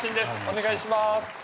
お願いします。